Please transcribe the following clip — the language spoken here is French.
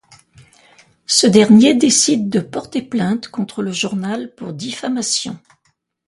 Ce dernier décide de porter plainte contre le journal pour diffamation.